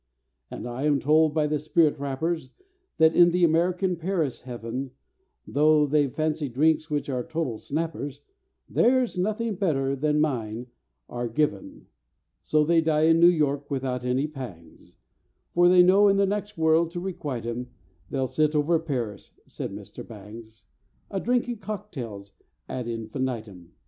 "And I am told by the spirit rappers That in the American Paris heaven, Though they've fancy drinks which are total snappers, There's nothing better than mine are given. So they die in New York without any pangs, For they know in the next world, to requite 'em, They'll sit over Paris," said Mr. Bangs, "A drinking cocktails ad infinitum."